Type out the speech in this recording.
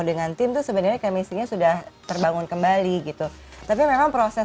dengan tim tuh sebenarnya kemisinya sudah terbangun kembali gitu tapi memang proses